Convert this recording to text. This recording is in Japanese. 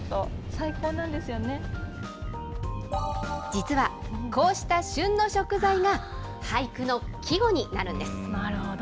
実は、こうした旬の食材が俳句の季語になるんです。